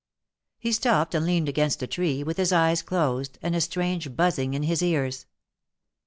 He stopped and leaned against a tree, with his eyes closed, and a strange buzzing in his ears.